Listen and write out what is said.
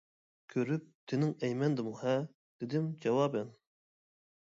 -كۆرۈپ تېنىڭ ئەيمەندىمۇ؟ -ھە، -دېدىم جاۋابەن.